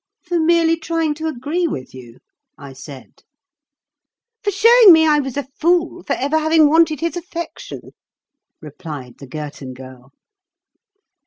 "For merely trying to agree with you?" I said. "For showing me I was a fool for ever having wanted his affection," replied the Girton Girl.